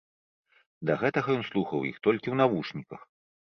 Да гэтага ён слухаў іх толькі ў навушніках!